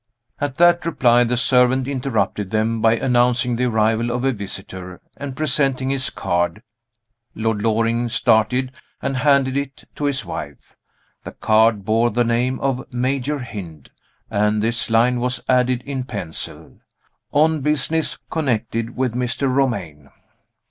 At that reply, the servant interrupted them by announcing the arrival of a visitor, and presenting his card. Lord Loring started, and handed it to his wife. The card bore the name of "Major Hynd," and this line was added in pencil: "On business connected with Mr. Romayne."